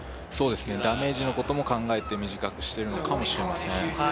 ダメージのことも考えて短くしているのかもしれません。